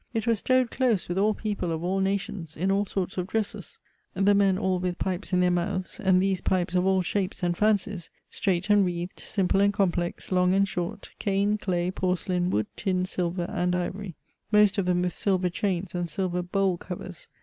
It was stowed close with all people of all nations, in all sorts of dresses; the men all with pipes in their mouths, and these pipes of all shapes and fancies straight and wreathed, simple and complex, long and short, cane, clay, porcelain, wood, tin, silver, and ivory; most of them with silver chains and silver bole covers.